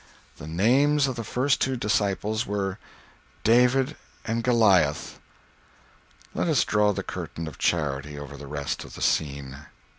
"The names of the first two disciples were—" "David And Goliah!" Let us draw the curtain of charity over the rest of the scene.